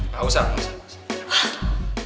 gak usah gak usah